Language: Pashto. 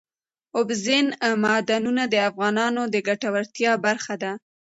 اوبزین معدنونه د افغانانو د ګټورتیا برخه ده.